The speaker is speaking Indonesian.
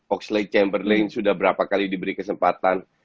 oxlade chamberlain sudah berapa kali diberi kesempatan